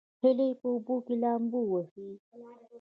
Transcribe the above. هیلۍ په اوبو کې لامبو وهي